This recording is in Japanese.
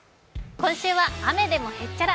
今週は「雨でもへっちゃら！